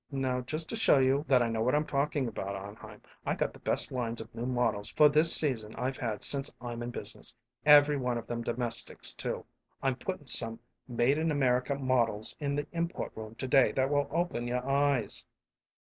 "Now, just to show you that I know what I'm talking about, Arnheim, I got the best lines of new models for this season I've had since I'm in business every one of them domestics too. I'm puttin' some made in America models in the import room to day that will open your eyes."